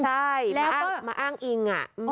ใช่มาอ้างอิง